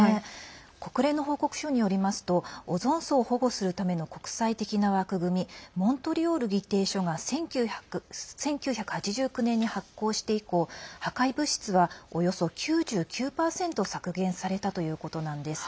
国連の報告書によりますとオゾン層を保護するための国際的な枠組みモントリオール議定書が１９８９年に発効して以降破壊物質はおよそ９９％削減されたということなんです。